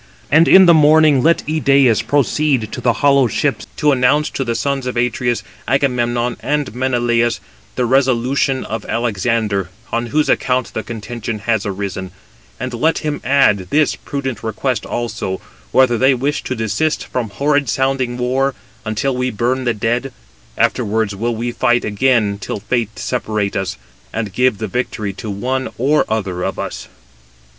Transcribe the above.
But in the morning let Idæus proceed to the hollow ships, to announce to the sons of Atreus, Agamemnon and Menelaus, the resolution of Alexander, on whose account the contention has arisen; and let him add this prudent request also, whether they wish to desist from horrid sounding war, until we burn the dead; afterwards will we fight again till fate separate us, and give the victory to one or other of us."